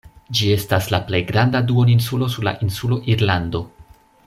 Ĝi estas la plej granda duoninsulo sur la insulo Irlando.